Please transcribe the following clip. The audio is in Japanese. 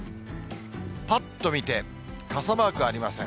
ぱっと見て、傘マークありません。